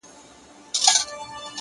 خلگو شتنۍ د ټول جهان څخه راټولي كړې _